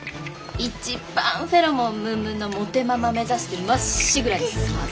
一番フェロモンムンムンのモテママ目指してまっしぐらに進むはず。